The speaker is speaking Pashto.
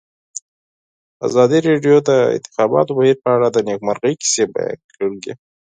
ازادي راډیو د د انتخاباتو بهیر په اړه د نېکمرغۍ کیسې بیان کړې.